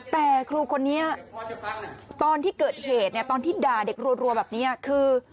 แต่ครูคนนี้ตอนที่เกิดเหตุเนี่ยตอนที่ด่าเด็กรัวแบบนี้คือ